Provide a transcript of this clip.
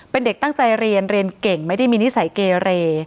เป็นเด็กตั้งใจเรียนเรียนเก่งไม่ได้มีนิสัยเกเร